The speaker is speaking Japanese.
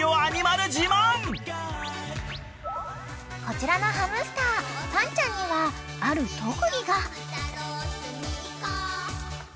［こちらのハムスターパンちゃんにはある特技が］